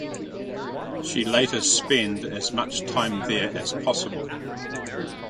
She later spend as much time there as possible.